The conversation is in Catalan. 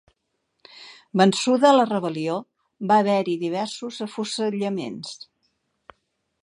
Vençuda la rebel·lió, va haver-hi diversos afusellaments.